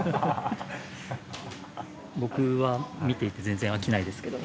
僕は見ていて全然飽きないですけど。